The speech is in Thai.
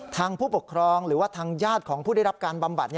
ทางผู้ปกครองหรือว่าทางญาติของผู้ได้รับการบำบัด